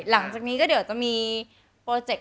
หลังจากนี้ก็จะมีประโยชน์